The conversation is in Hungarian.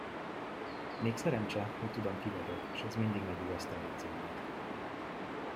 Még szerencse, hogy tudom, ki vagyok, s ez mindig megvigasztalja az embert!